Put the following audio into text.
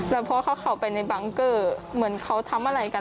แล้วพอเขาเข้าไปในบังเกอร์เหมือนเขาทำอะไรกัน